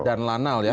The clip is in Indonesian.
dan lanal ya